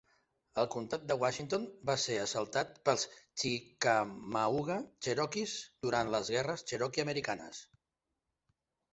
El comtat de Washington va ser assaltat pels chickamauga cherokees durant les guerres cherokee-americanes.